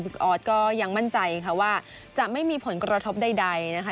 ออสก็ยังมั่นใจค่ะว่าจะไม่มีผลกระทบใดนะคะ